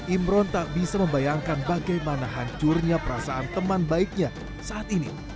imron tak bisa membayangkan bagaimana hancurnya perasaan teman baiknya saat ini